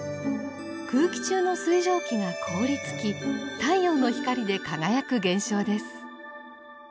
空気中の水蒸気が凍りつき太陽の光で輝く現象です。